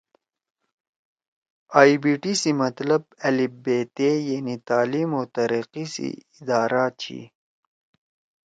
آئی بی ٹی سی مطلب ا ب ت یعنی تعلیم او تیِریِقی سی ادارہ چھی۔